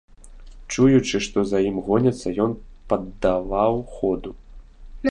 Чуючы, што за ім гоняцца, ён паддаваў ходу.